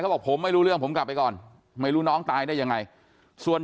บอกผมไม่รู้เรื่องผมกลับไปก่อนไม่รู้น้องตายได้ยังไงส่วน